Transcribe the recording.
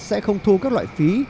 sẽ không thu các loại phí